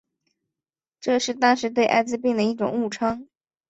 这是当时对艾滋病的一种误称。